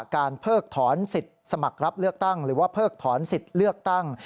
เพิกถอนสิทธิ์สมัครรับเลือกตั้งหรือว่าเพิกถอนสิทธิ์เลือกตั้ง